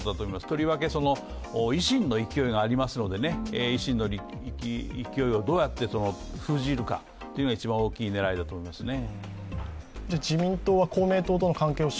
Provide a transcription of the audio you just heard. とりわけ維新の勢いがありますので、維新の勢いをどうやって封じるかというのが一番大きな狙いだと思いますね。